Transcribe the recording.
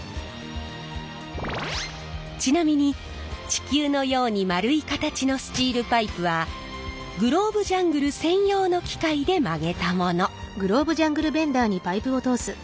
ちなみに地球のように丸い形のスチールパイプはグローブジャングル専用の機械で曲げたもの。